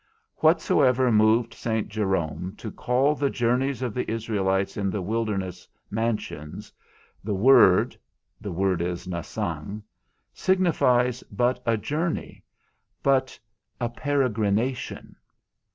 Whatsoever moved Saint Jerome to call the journeys of the Israelites in the wilderness, mansions; the word (the word is nasang) signifies but a journey, but a peregrination.